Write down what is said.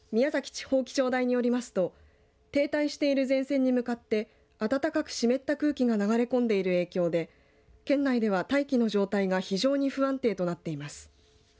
地方気象台によりますと停滞している前線に向かって暖かく湿った空気が流れ込んでいる影響で県内では大気の状態が非常に不安定となっています。